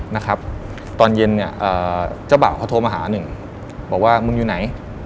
นะครับตอนเย็นเนี่ยเจ้าบ่าวเขาโทรมาหาหนึ่งบอกว่ามึงอยู่ไหน